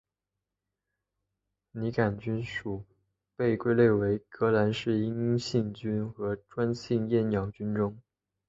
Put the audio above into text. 拟杆菌属被归类在革兰氏阴性菌和专性厌氧菌中。